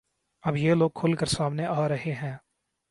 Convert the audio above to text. اب یہ لوگ کھل کر سامنے آ رہے ہیں